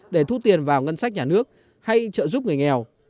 để thu tiền vào ngân sách nhà nước hay trợ giúp người nghèo